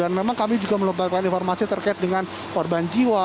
dan memang kami juga melakukan informasi terkait dengan korban jiwa